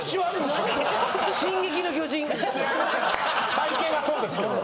体形はそうですけど。